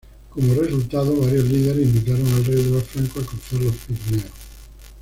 Como resultado, varios líderes invitaron al rey de los francos a cruzar los Pirineos.